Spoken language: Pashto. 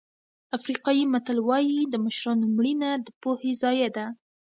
افریقایي متل وایي د مشرانو مړینه د پوهې ضایع ده.